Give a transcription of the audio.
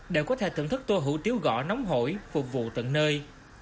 để có thể thưởng thức tô hủ tiếu gõ nóng hổi